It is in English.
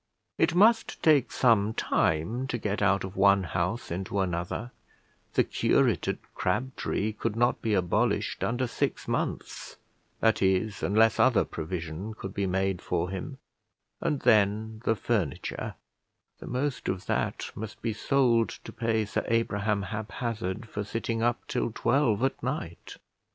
It must take some time to get out of one house into another; the curate at Crabtree could not be abolished under six months, that is, unless other provision could be made for him; and then the furniture: the most of that must be sold to pay Sir Abraham Haphazard for sitting up till twelve at night.